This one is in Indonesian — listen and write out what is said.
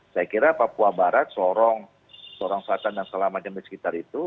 saya kira papua barat sorong sorong fatah dan selama jambatan sekitar itu